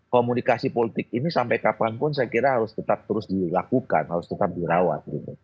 komunikasi politik ini sampai kapanpun saya kira harus tetap terus dilakukan harus tetap dirawat